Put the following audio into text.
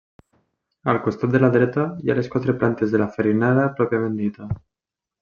Al costat de la dreta hi ha les quatre plantes de la farinera pròpiament dita.